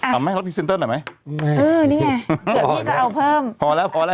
เอาไหมรสพิซินเติ้ลได้ไหมนี่ไงเผื่อพี่ก็เอาเพิ่ม